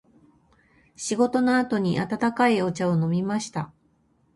仕事の後に温かいお茶を飲みました。